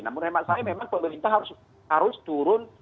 namun hemat saya memang pemerintah harus turun